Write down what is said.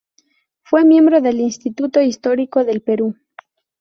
Fue miembro del Instituto Histórico del Perú.